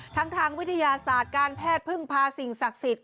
ทางวิทยาศาสตร์การแพทย์พึ่งพาสิ่งศักดิ์สิทธิ